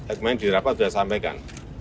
akhirnya di rapat sudah disampaikan